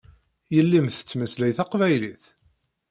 Yelli-m tettmeslay taqbaylit?